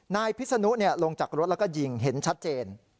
นายพิษนุลงจากรถแล้วก็ยิงเห็นชัดเจน